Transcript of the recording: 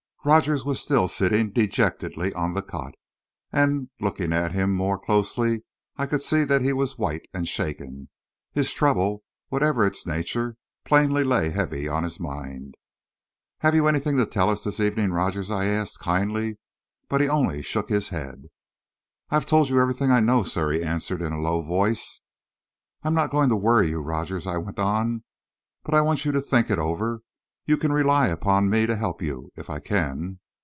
Rogers was still sitting dejectedly on the cot, and, looking at him more closely, I could see that he was white and shaken. His trouble, whatever its nature, plainly lay heavy on his mind. "Have you anything to tell us, this evening, Rogers?" I asked, kindly, but he only shook his head. "I've told you everything I know, sir," he answered, in a low voice. "I'm not going to worry you, Rogers," I went on, "but I want you to think it over. You can rely upon me to help you, if I can."